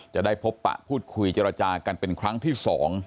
จะได้พบปะพูดคุยเจรจากันเป็นครั้งที่๒